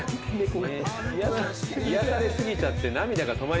癒やされ過ぎちゃって涙が止まりません。